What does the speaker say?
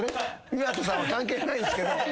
三又さんは関係ないんすけど。